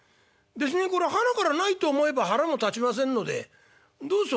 別にこれはなからないと思えば腹も立ちませんのでどうです？